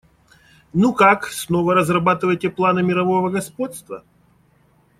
Ну как, снова разрабатываете планы мирового господства?